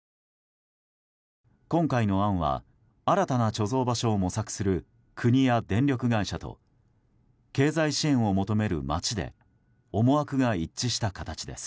今回の案は新たな貯蔵場所を模索する国や電力会社と経済支援を求める町で思惑が一致した形です。